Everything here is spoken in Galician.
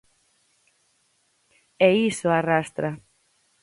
E iso arrastra.